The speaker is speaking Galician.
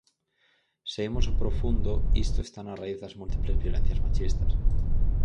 Se imos ao profundo, isto está na raíz das múltiples violencias machistas.